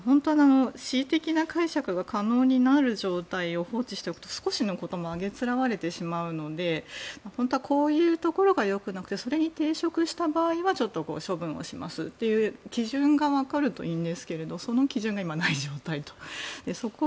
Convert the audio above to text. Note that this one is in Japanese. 恣意的な解釈が可能になる状態を放置しておくと少しのこともあげつらわれてしまうので本当はこういうところがよくなくてそれに抵触した場合はちょっと処分をしますという基準がわかるといいんですけどその基準が今ない状態と。